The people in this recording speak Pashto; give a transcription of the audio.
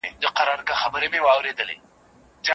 ډیپلوماټان به د بشري حقونو قانون پلی کړي.